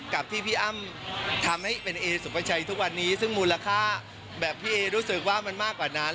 กับที่พี่อ้ำทำให้เป็นเอสุภาชัยทุกวันนี้ซึ่งมูลค่าแบบพี่เอรู้สึกว่ามันมากกว่านั้น